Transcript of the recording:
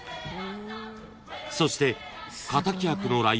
［そして］